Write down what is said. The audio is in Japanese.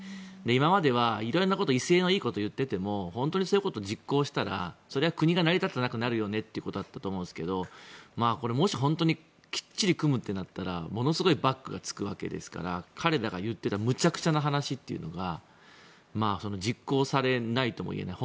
今までは色々威勢のいいことを言ってきても本当にそれを実行したらそれは国が成り立たなくなるよねということだったけどこれ、もし本当にきっちり組むとなったらものすごいバックがつくわけですから彼らが言っていたむちゃくちゃな話というのが実行されないともいえない。